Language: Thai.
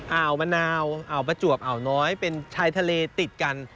อ่าวมะนาวอ่าวประจวบอ่าวน้อยเป็นชายทะเลติดกัน